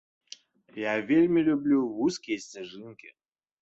Я вельмі люблю вузкія сцяжынкі.